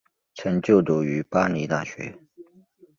曾就读于巴黎大学。